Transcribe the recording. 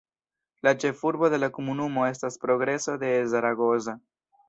La ĉefurbo de la komunumo estas Progreso de Zaragoza.